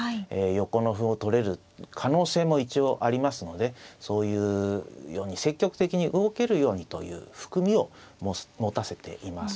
横の歩を取れる可能性も一応ありますのでそういうように積極的に動けるようにという含みを持たせています。